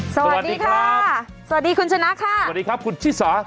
สวัสดีค่ะสวัสดีคุณชนะค่ะสวัสดีครับคุณชิสา